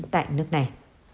tại nước này